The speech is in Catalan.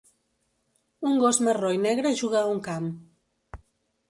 un gos marró i negre juga a un camp